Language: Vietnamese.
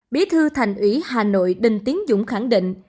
bí thư thành ủy hà nội đinh tiến dũng khẳng định